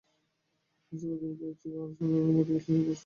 মস্তিষ্কের গতিবিধির ছবি এবং আচরণের ধরন বিশ্লেষণ করে এসব তথ্য পাওয়া যায়।